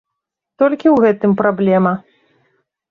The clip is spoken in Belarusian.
Толькі ў гэтым праблема.